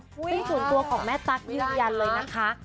ซึ่งส่วนตัวของแม่ตั๊กยืนยันเลยนะคะ